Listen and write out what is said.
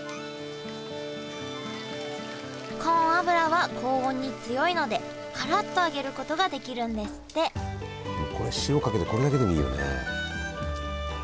コーン油は高温に強いのでカラっと揚げることができるんですってもうこれ塩かけてこれだけでもいいよね。